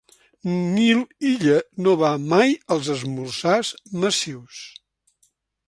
Nil Illa no va mai als esmorzars massius.